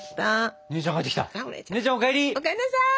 お帰んなさい！